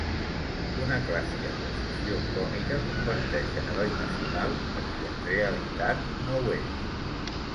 Una clàssica confusió còmica converteix en heroi nacional a qui en realitat no ho és.